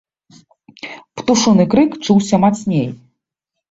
Птушыны крык чуўся мацней.